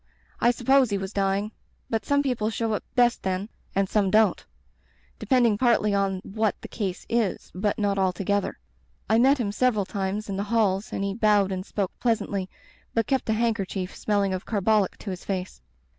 I supposed he was dying. But some people show up best then — and some don't; depending partly on what the case is, but not altogether. I met him several times in the halls and he bowed and spoke pleasantly, but kept a handker chief smelling of carbolic to his face.